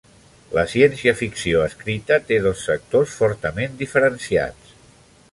La ciència-ficció escrita té dos sectors fortament diferenciats.